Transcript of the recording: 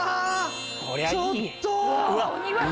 ちょっと！